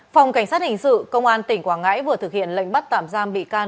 phòng cảnh sát hình sự công an tỉnh quảng ngãi vừa thực hiện lệnh bắt tạm giam bị can